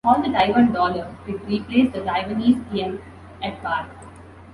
Called the "Taiwan dollar", it replaced the Taiwanese yen at par.